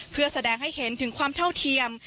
เพื่อแสดงให้เห็นถึงความเท่าเทียม